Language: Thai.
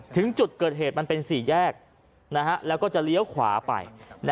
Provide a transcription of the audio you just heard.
ถึงจุดเกิดเหตุมันเป็น๔แยกแล้วก็จะเลี้ยวขวาไป